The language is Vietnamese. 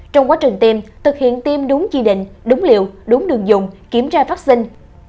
trong quá trình tiêm thực hiện tiêm đúng chi định đúng liệu đúng đường dùng kiểm tra vắc xin